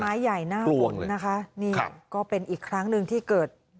ต้นไม้ใหญ่น่ะปลวงเลยนะคะนี่ครับก็เป็นอีกครั้งหนึ่งที่เกิด